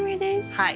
はい。